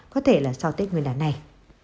có thể là sau tết nguyên đàn này